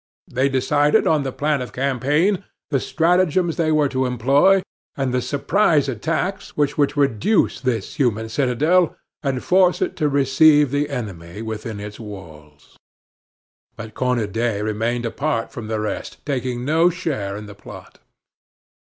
They decided on the plan of campaign, the stratagems they were to employ, and the surprise attacks which were to reduce this human citadel and force it to receive the enemy within its walls. But Cornudet remained apart from the rest, taking no share in the plot.